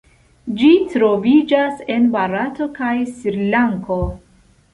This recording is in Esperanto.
Ĝi troviĝas en Barato kaj Srilanko.